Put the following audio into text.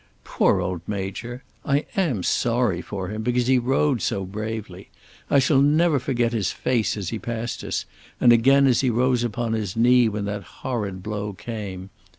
Poor old Major! I am sorry for him, because he rode so bravely. I shall never forget his face as he passed us, and again as he rose upon his knee when that horrid blow came!